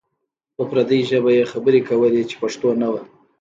په پردۍ ژبه یې خبرې کولې چې پښتو نه وه.